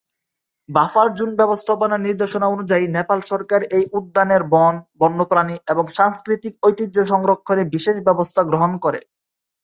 Buffer zone ব্যবস্থাপনা নির্দেশনা অনুযায়ী নেপাল সরকার এই উদ্যানের বন, বন্যপ্রাণী এবং সাংস্কৃতিক ঐতিহ্য সংরক্ষণে বিশেষ ব্যবস্থা গ্রহণ করে।